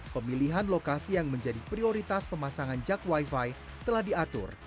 pemilihan lokasi yang menjadi prioritas pemasangan jak wifi telah diatur